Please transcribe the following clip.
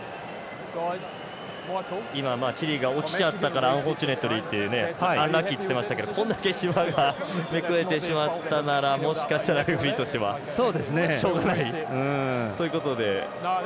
チリが落ちちゃったからアンラッキーって言ってましたけどこんだけ芝がめくれてしまったらもしかしたらレフリーとしてはしょうがないということで。